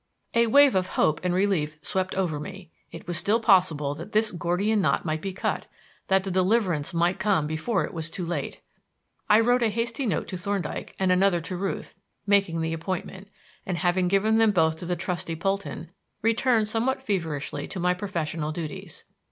_" A wave of hope and relief swept over me. It was still possible that this Gordian knot might be cut; that the deliverance might come before it was too late. I wrote a hasty note to Thorndyke and another to Ruth, making the appointment; and having given them both to the trusty Polton, returned somewhat feverishly to my professional duties.